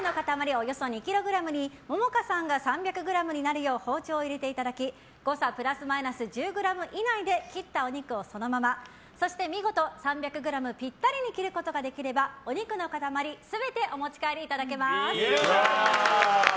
およそ２ｋｇに桃花さんが３００ｇになるよう包丁を入れていただき誤差プラスマイナス１０ｇ以内で切ったお肉をそのままそして見事３００ｇぴったりに切ることができればお肉の塊全てお持ち帰りいただけます。